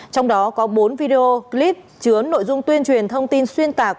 trong đó có bốn video clip chứa nội dung tuyên truyền thông tin xuyên tạc